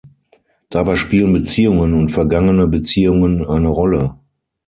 Dabei spielen Beziehungen und vergangene Beziehungen eine Rolle.